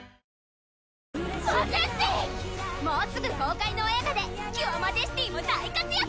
もうすぐ公開の映画でキュアマジェスティも大活躍！